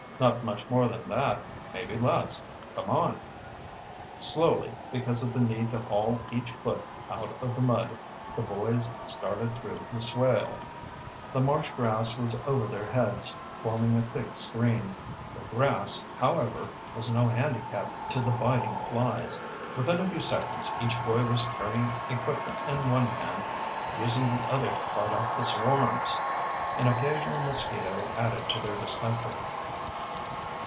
Not much more than that, maybe less. Come on." Slowly, because of the need to haul each foot out of the mud, the boys started through the swale. The marsh grass was over their heads, forming a thick screen. The grass, however, was no handicap to the biting flies. Within a few seconds each boy was carrying equipment in one hand, using the other to fight off the swarms. An occasional mosquito added to their discomfort.